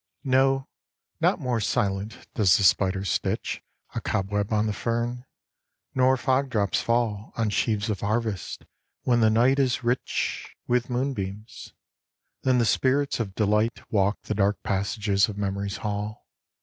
No, not more silent does the spider stitch A cobweb on the fern, nor fogdrops fall On sheaves of harvest when the night is rich A MEMORY 95 With moonbeams, than the spirits of delight Walk the dark passages of Memory's hall.